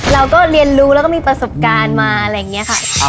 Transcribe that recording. เราก็เรียนรู้แล้วก็มีประสบการณ์มาอะไรอย่างนี้ค่ะ